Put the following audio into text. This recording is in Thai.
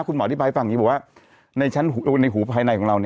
คุณหมออธิบายฟังอย่างงี้บอกว่า